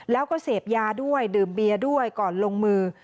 แล้วก็เสพยาด้วยดื่มเบียร์ด้วยก่อนลงมือ